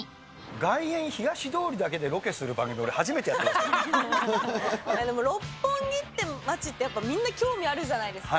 外苑東通りだけでロケする番六本木って街って、やっぱみんな興味があるじゃないですか。